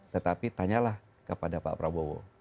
tetapi tanyalah kepada pak prabowo